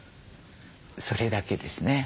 それだけですね。